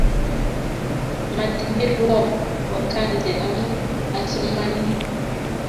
Matibircho wakante amu asomani